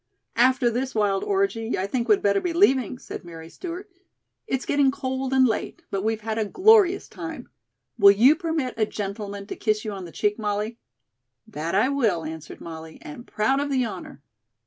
"After this wild orgy, I think we'd better be leaving," said Mary Stewart. "It's getting cold and late, but we've had a glorious time. Will you permit a gentleman to kiss you on the cheek, Molly?" "That I will," answered Molly, "and proud of the honor."